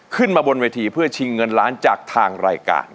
ขึ้นมาบนเวทีเพื่อชิงเงินล้านจากทางรายการ